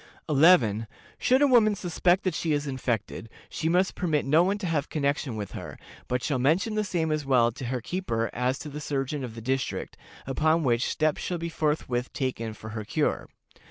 "11. Should a woman suspect that she is infected, she must permit no one to have connection with her, but shall mention the same as well to her keeper as to the surgeon of the district, upon which steps shall forthwith be taken for her cure.